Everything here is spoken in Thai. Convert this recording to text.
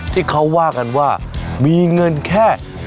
ที่เขาว่ากันว่ามีเงินแค่